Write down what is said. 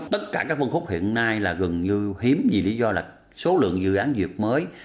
tất cả các phân khúc hiện nay là gần như hiếm vì lý do là số lượng dự án dược mới